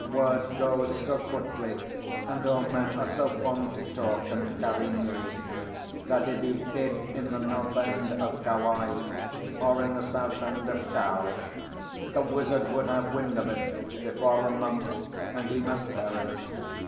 Word goes so quickly, and all men are so fond to talk and carry news, that if he hid in the north end of Kauai or in the south end of Kau, the wizard would have wind of it before a month, and he must perish.